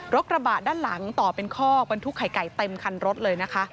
กระบะด้านหลังต่อเป็นคอกบรรทุกไข่ไก่เต็มคันรถเลยนะคะ